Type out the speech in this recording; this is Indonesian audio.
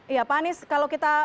iya pak anies kalau kita